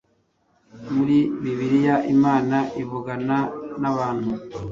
Muri Bibiliya Imana ivugana n‟abantu